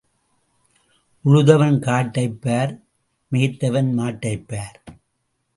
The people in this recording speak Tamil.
உழுதவன் காட்டைப் பார் மேய்த்தவன் மாட்டைப் பார்.